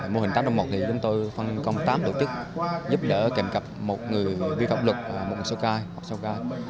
mô hình tám trong một thì chúng tôi phân công tám lực tức giúp đỡ kèm cặp một người vi phạm luật một người sao cai